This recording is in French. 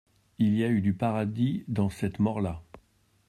Il y a eu du paradis dans cette mort-là.